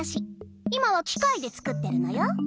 今はきかいで作ってるのよ。